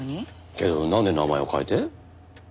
けどなんで名前を変えて？